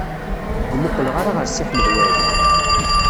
Ur muqleɣ ara ɣer Si Ḥmed Waɛli.